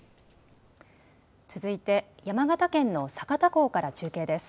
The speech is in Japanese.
続いて山形県の酒田港から中継です。